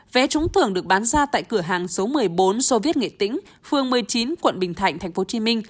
vé trúng thưởng được bán ra tại cửa hàng số một mươi bốn soviet nghệ tĩnh phường một mươi chín quận bình thạnh tp hcm